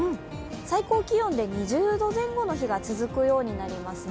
最高気温で２０度前後の日が続くようになります。